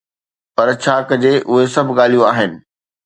پر ڇا ڪجي، اهي سڀ ڳالهيون آهن.